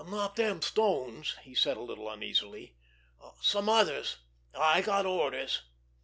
"Not them stones," he said a little uneasily. "Some others. I got orders."